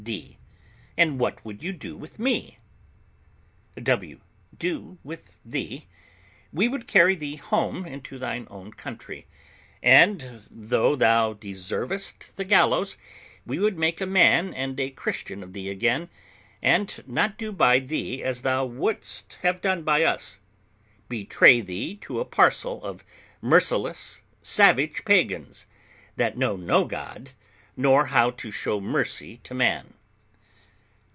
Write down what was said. D. And what would you do with me? W. Do with thee? We would carry thee home into thine own country; and, though thou deservest the gallows, we would make a man and a Christian of thee again, and not do by thee as thou wouldst have done by us betray thee to a parcel of merciless, savage pagans, that know no God, nor how to show mercy to man.